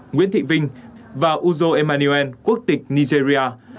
nguyễn thị vinh và uzo emmanuel quốc tịch nigeria